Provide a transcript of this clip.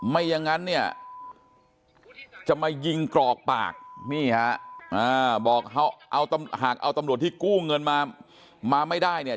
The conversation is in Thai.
ไม่อย่างนั้นเนี่ยจะมายิงกรอกปากนี่ฮะบอกเอาหากเอาตำรวจที่กู้เงินมาไม่ได้เนี่ย